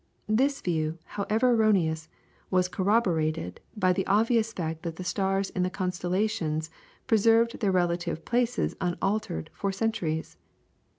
This view, however erroneous, was corroborated by the obvious fact that the stars in the constellations preserved their relative places unaltered for centuries.